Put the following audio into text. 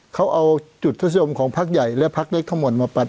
เขาเอาจุดทุษยมของพักใหญ่และพักเล็กทั้งหมดมาปัด